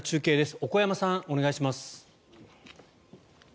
小古山さん、お願いします。